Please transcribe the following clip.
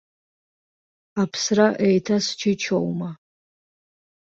Аԥсра еиҭа счычоума?!